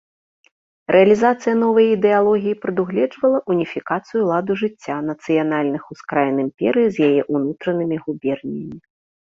Рэалізацыя новай ідэалогіі прадугледжвала уніфікацыю ладу жыцця нацыянальных ускраін імперыі з яе ўнутранымі губернямі.